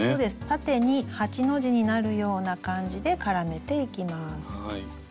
縦に８の字になるような感じで絡めていきます。